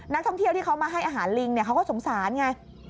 นักท่องเที่ยวที่เขามาให้อาหารลิงเขาก็สงสารไง